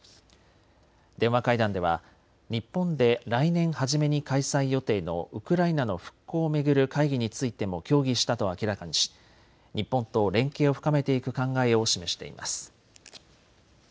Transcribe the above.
電話会談では日本で来年初めに開催予定のウクライナの復興を巡る会議についても協議したと明らかにし、日本と連携を深めていく考えを示しています。